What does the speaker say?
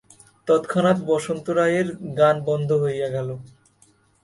তৎক্ষণাৎ বসন্ত রায়ের গান বন্ধ হইয়া গেল।